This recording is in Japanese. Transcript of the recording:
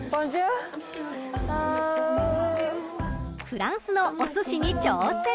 ［フランスのおすしに挑戦］